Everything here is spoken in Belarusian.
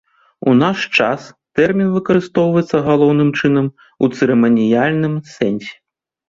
У наш час тэрмін выкарыстоўваецца галоўным чынам у цырыманіяльным сэнсе.